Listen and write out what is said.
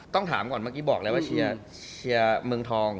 ต้องถามก่อนเมื่อกี้บอกแล้วว่าเชียร์เมืองทอง